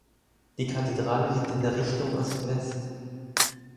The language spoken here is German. Die Kathedrale liegt in der Richtung Ost-West.